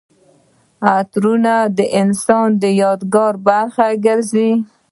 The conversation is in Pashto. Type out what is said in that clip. عطرونه د انسان د یادګار برخه ګرځي.